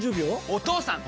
お義父さん！